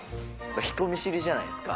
人見知りじゃないですか。